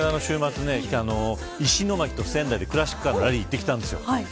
僕も週末、石巻と仙台でクラシックカームラリー行ってきたんです。